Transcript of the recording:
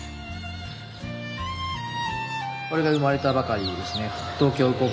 これがうまれたばかりですね